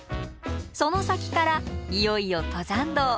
その先からいよいよ登山道。